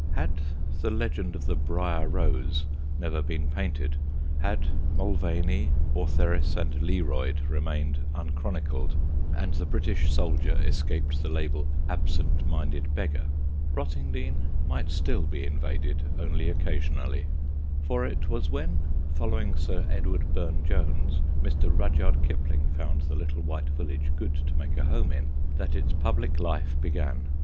Had the Legend of the Briar Rose never been painted; had Mulvaney, Ortheris and Learoyd remained unchronicled and the British soldier escaped the label "Absent minded Beggar," Rottingdean might still be invaded only occasionally; for it was when, following Sir Edward Burne Jones, Mr. Rudyard Kipling found the little white village good to make a home in, that its public life began.